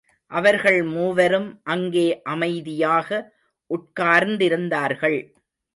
அவர்கள் மூவரும் அங்கே அமைதியாக உட்கார்ந்திருந்தார்கள்.